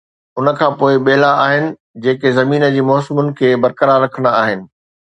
ان کان پوءِ ٻيلا آهن جيڪي زمين جي موسمن کي برقرار رکندا آهن.